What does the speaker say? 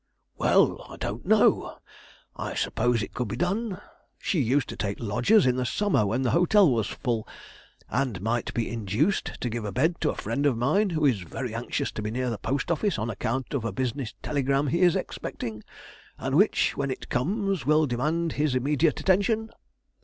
"Well, I don't know; I suppose it could be done. She used to take lodgers in the summer when the hotel was full, and might be induced to give a bed to a friend of mine who is very anxious to be near the post office on account of a business telegram he is expecting, and which when it comes will demand his immediate attention."